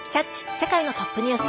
世界のトップニュース」。